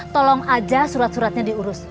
tolong aja surat suratnya diurus